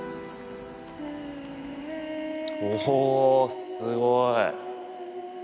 おぉすごい！